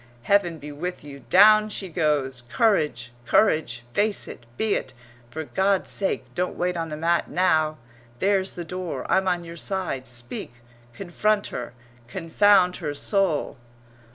Heaven be with you! Down she goes. Courage, courage! Face it, be it! For God's sake don't wait on the mat now! There's the door! I'm on your side. Speak! Confront her, confound her soul!